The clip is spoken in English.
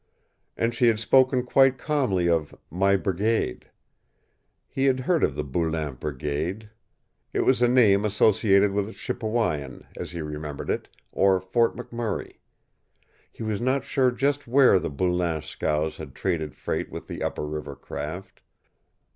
And she had spoken quite calmly of "my brigade." He had heard of the Boulain Brigade. It was a name associated with Chipewyan, as he remembered it or Fort McMurray. He was not sure just where the Boulain scows had traded freight with the upper river craft.